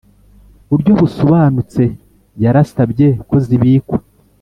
Buryo busobanutse yarasabye ko zibikwa